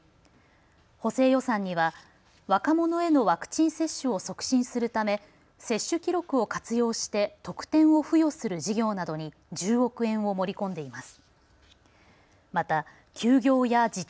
補正予算には若者へのワクチン接種を促進するため接種記録を活用して特典を付与する事業などに１０億円を盛り込んでいます。